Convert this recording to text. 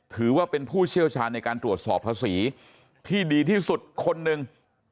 ถือว่าเป็นผู้เชี่ยวชาญในการตรวจสอบภาษีที่ดีที่สุดคนหนึ่ง